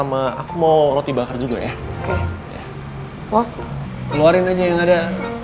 makanannya bentar ya